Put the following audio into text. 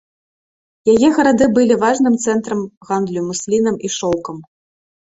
Яе гарады былі важным цэнтрамі гандлю муслінам і шоўкам.